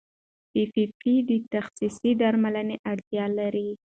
پي پي پي د تخصصي درملنې اړتیا لري.